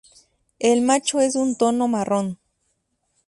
El macho es de un tono marrón.